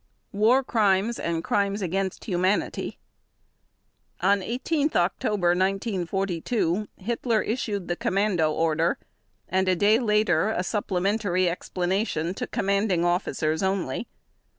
War Crimes and Crimes against Humanity On 18 October 1942 Hitler issued the Commando Order and a day later a supplementary explanation to commanding officers only.